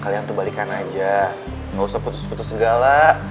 kalian tuh balikan aja gak usah putus putus segala